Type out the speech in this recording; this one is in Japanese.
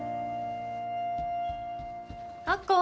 亜子